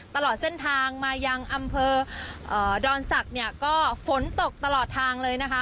ตลอดเส้นทางมายังอำเภอดอนศักดิ์เนี่ยก็ฝนตกตลอดทางเลยนะคะ